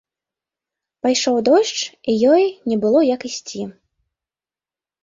Пайшоў дождж, і ёй не было як ісці.